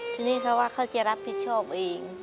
ทีนี้เขาว่าเขาจะรับผิดชอบเอง